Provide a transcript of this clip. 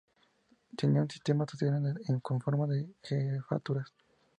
Tenía un sistema social con formas de "jefaturas".